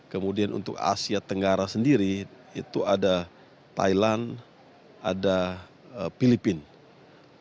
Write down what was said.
kemudian untuk asia tenggara sendiri itu ada thailand ada filipina